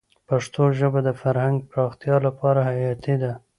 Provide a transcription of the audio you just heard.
پښتو ژبه د فرهنګ پراختیا لپاره حیاتي ده.